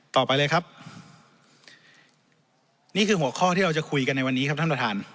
ต่อไปเลยครับนี่คือหัวข้อที่เราจะคุยกันในวันนี้ครับท่านประธาน